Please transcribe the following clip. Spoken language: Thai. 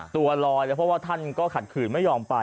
ตัวลอยเลยเพราะว่าท่านก็ขัดขืนไม่ยอมไป